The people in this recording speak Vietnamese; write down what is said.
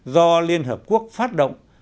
do liên hợp quốc phát động